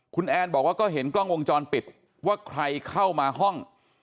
คุณแอนบอกว่าก็เห็นกล้องวงจรปิดว่าใครเข้ามาห้อง